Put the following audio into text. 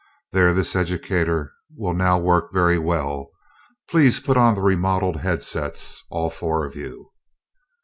There, this educator will now work very well. Please put on the remodeled headsets, all four of you."